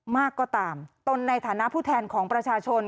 มากก็ตามตนในฐานะผู้แทนของประชาชน